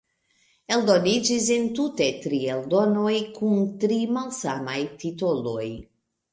Eldoniĝis entute tri eldonoj kun tri malsamaj titoloj.